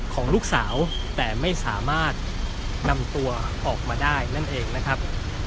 ของลูกสาวแต่ไม่สามารถนำตัวออกมาได้นั่นเองนะครับ